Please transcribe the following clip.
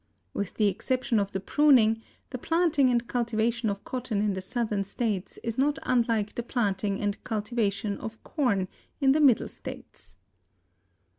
With the exception of the pruning, the planting and cultivation of cotton in the southern states is not unlike the planting and cultivation of corn in the middle states.